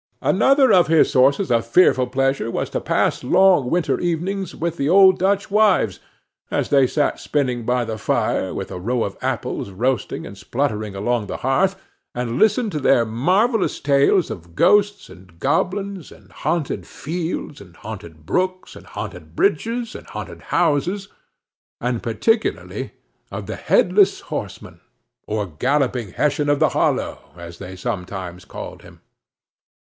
Another of his sources of fearful pleasure was to pass long winter evenings with the old Dutch wives, as they sat spinning by the fire, with a row of apples roasting and spluttering along the hearth, and listen to their marvellous tales of ghosts and goblins, and haunted fields, and haunted brooks, and haunted bridges, and haunted houses, and particularly of the headless horseman, or Galloping Hessian of the Hollow, as they sometimes called him.